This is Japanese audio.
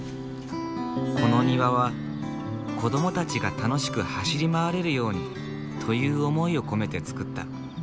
この庭は「子供たちが楽しく走り回れるように」という思いを込めて造った。